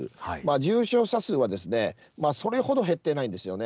重症者数は、それほど減ってないんですよね。